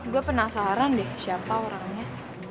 gue penasaran deh siapa orangnya